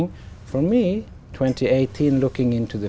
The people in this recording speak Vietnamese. đến hồ chí minh